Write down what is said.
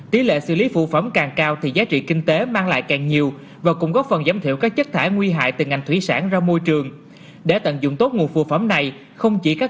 thì nó tạo điều kiện thuận lợi